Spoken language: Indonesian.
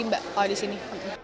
daripada di sini